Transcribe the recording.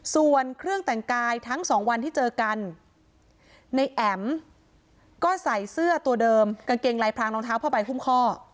ส่วนเครื่องแต่งกายทั้งสองวันที่เจอกันในแอ๋มก็ใส่เสื้อตัวเดิมกางเกงลายพรางรองเท้าผ้าใบหุ้มข้อ